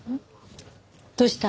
どうした？